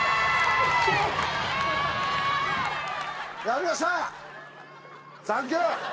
やりました！